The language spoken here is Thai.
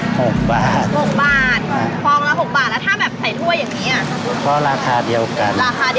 คุณพี่เดินทางมาจากไหน